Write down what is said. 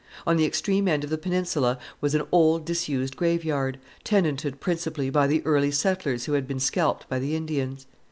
On the extreme end of the peninsula was an old disused graveyard, tenanted principally by the early settlers who had been scalped by the Indians.